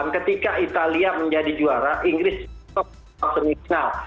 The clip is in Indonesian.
seribu sembilan ratus enam puluh delapan ketika italia menjadi juara inggris menang semifinal